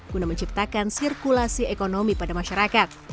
guna menciptakan sirkulasi ekonomi pada masyarakat